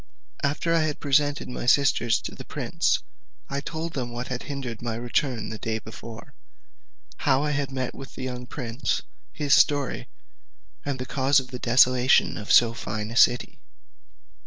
After I had presented my sisters to the prince, I told them what had hindered my return the day before, how I had met with the young prince, his story, and the cause of the desolation of so fine a city.